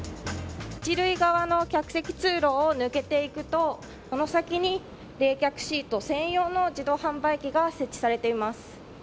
１塁側の客席通路を抜けていくとこの先に、冷却シート専用の自動販売機が設置されています。